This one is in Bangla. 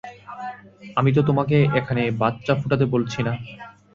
আমি তো তোমাকে এখানে বাচ্চা ফুটাতে বলছি না।